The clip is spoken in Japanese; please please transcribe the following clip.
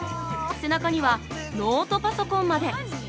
背中にはノートパソコンまで。